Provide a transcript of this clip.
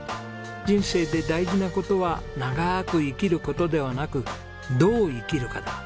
人生で大事な事は長く生きる事ではなくどう生きるかだ。